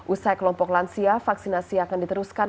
usai kelompok lansia vaksinasi akan diteruskan